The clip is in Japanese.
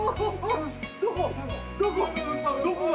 どこ？